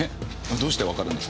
どうしてわかるんですか？